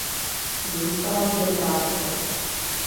Zůstala zde krátce.